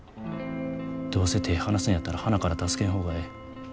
どうせ手ぇ離すんやったらはなから助けん方がええ。